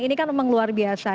ini kan memang luar biasa